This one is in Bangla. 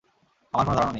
আমার কোনো ধারণা নেই!